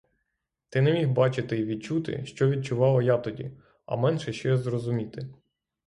Ти не міг бачити й відчути, що відчувала я тоді, а менше ще зрозуміти.